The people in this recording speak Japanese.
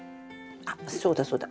あっそうだそうだ。